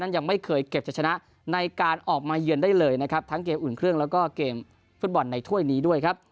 ยังไม่เคยเก็บจะชนะในการออกมาเยือนได้เลยนะครับทั้งเกมอุ่นเครื่องแล้วก็เกมฟุตบอลในถ้วยนี้ด้วยครับ